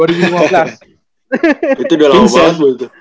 itu udah lama banget